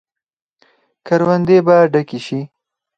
کروندې به ډکې شي.